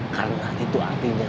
karena itu artinya